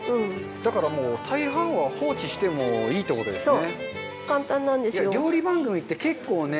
だからもう大半は放置してもいいってことですね。